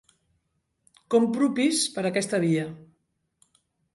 Compro pis per aquesta via.